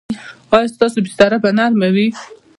ایا ستاسو بستره به نرمه وي؟